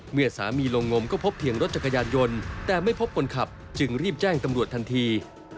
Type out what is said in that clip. เมื่อสามีลงงมก็พบเพียงรถจักรยานยนต์แต่ไม่พบคนขับจึงรีบแจ้งตำรวจทันที